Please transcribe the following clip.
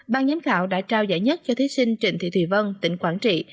ban giám khảo đã trao giải nhất cho thí sinh trịnh thị thùy vân tỉnh quảng trị